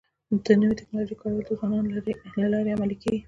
د نوې ټکنالوژۍ کارول د ځوانانو له لارې عملي کيږي.